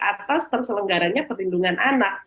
atas terselenggaranya pertindungan anak